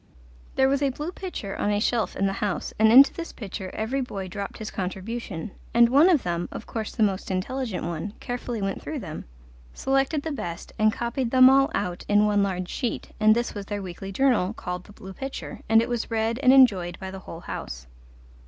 There was a blue pitcher on a shelf in the house, and into this pitcher every boy dropped his contribution, and one of them of course the most intelligent one carefully went through them, selected the best, and copied them all out in one large sheet, and this was their weekly journal called The Blue Pitcher, and it was read and enjoyed by the whole house.